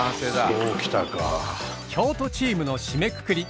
京都チームの締めくくり。